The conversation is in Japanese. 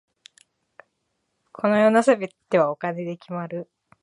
この世の全てはお金で決まる。